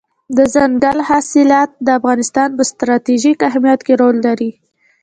دځنګل حاصلات د افغانستان په ستراتیژیک اهمیت کې رول لري.